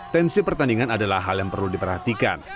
tensi pertandingan adalah hal yang perlu diperhatikan